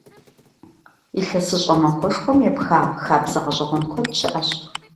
ИлъэсыщӀэ махуэшхуэм епха хабзэ гъэщӀэгъуэн куэд щыӀэщ.